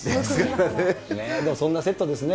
まあ、そんなセットですね。